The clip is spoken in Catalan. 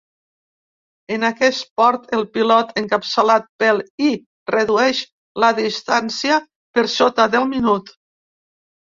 En aquest port el pilot, encapçalat pel i redueix la distància per sota del minut.